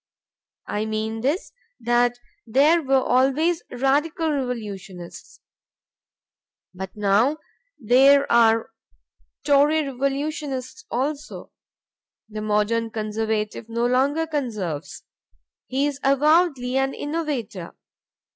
I mean this, that there were always Radical revolutionists; but now there are Tory revolutionists also. The modern Conservative no longer conserves. He is avowedly an innovator.